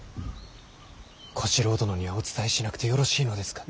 小四郎殿にはお伝えしなくてよろしいのですか。